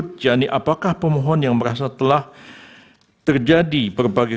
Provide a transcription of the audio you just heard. mujani apakah pemohon yang merasa telah terjadi berbagai